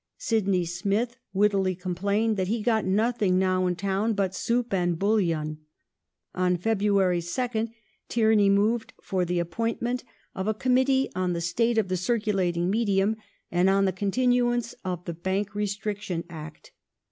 Sydney Smith wittily complained that " he got nothing now in Town but soup and bullion ". On February 2nd Tierney moved for the appointment of a Committee on the state of the cu'culating medium and on the continuance of the Bank Restriction Act.